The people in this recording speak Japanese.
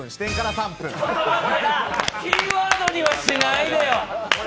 キーワードにはしないですよ。